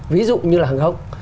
ví dụ như là hàng không